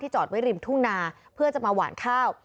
จอดไว้ริมทุ่งนาเพื่อจะมาหวานข้าว